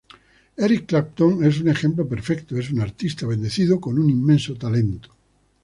Eric Clapton es un ejemplo perfecto: es un artista bendecido con un inmenso talento.